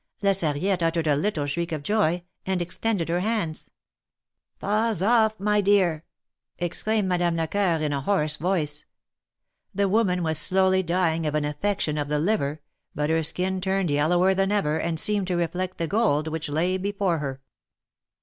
La Sarriette uttered a little shriek of joy, and extended her hands. "Paws off! my dear," exclaimed Madame Lecoeur, in a hoarse voice. 300 THE MARKETS OF PARIS. The woman was slowly dying of an affection of the liver, but her skin turned yellower than ever, and seemed to reflect the gold which lay before her.